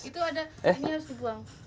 itu ada ini harus dibuang